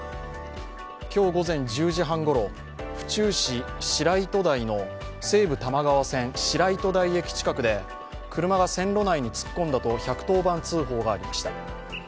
今日午前１０時半ごろ、府中市白糸台の西武多摩川線白糸台駅近くで車が線路内に突っ込んだと１１０番通報がありました。